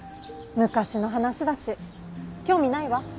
昔の話だし興味ないわ。